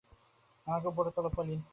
আমাকে উপরে তোলো, পলিন।